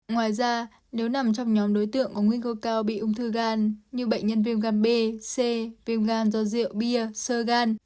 ngoài ra nếu nằm trong nhóm đối tượng có nguy cơ cao bị ung thư gan như bệnh nhân viêm gan b c viêm gan do rượu bia sơ gan